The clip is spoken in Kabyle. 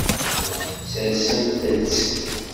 Sersemt-tt.